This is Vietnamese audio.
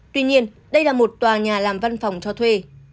tuy nhiên đây là một tòa nhà làm văn phòng cho thuê